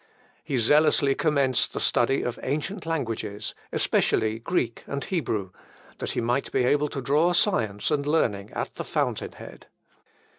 He zealously commenced the study of ancient languages, especially Greek and Hebrew, that he might be able to draw science and learning at the fountain head.